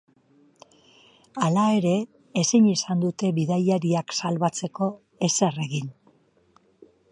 Hala ere, ezin izan dute bidaiariak salbatzeko ezer egin.